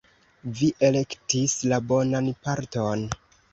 Vi elektis la bonan parton!